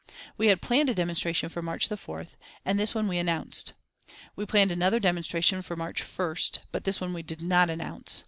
We had planned a demonstration for March 4th, and this one we announced. We planned another demonstration for March 1st, but this one we did not announce.